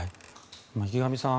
池上さん